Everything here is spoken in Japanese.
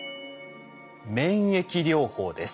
免疫療法です。